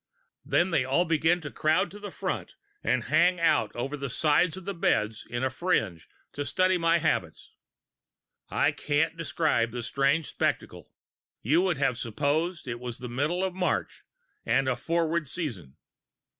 Then they all began to crowd to the front and hang out over the sides of the beds in a fringe, to study my habits. I can't describe the strange spectacle: you would have supposed it was the middle of March and a forward season!